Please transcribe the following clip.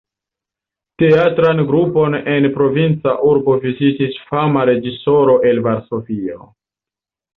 Teatran grupon en provinca urbo vizitis fama reĝisoro el Varsovio...